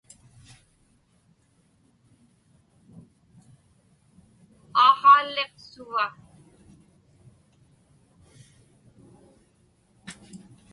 Aaqhaaliq suva?